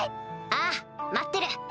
ああ待ってる。